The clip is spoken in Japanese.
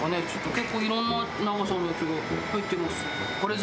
結構いろんな長さのやつが入ってます。